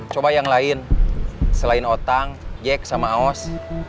coba yang lain selain otang jack sama aus